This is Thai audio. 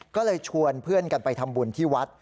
ก็เลยชวนเพื่อนกันไปทำบุญที่วัด